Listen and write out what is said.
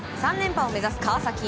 ３連覇を目指す川崎。